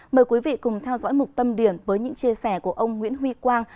mời quý vị cùng theo dõi một tâm điển với những chia sẻ của ông nguyễn huy quang